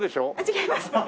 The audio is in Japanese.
違います。